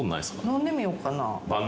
飲んでみようかな。